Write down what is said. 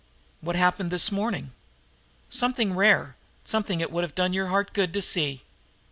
"What happened this morning." "Something rare something it would have done your heart good to see!"